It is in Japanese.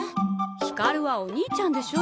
光はお兄ちゃんでしょ。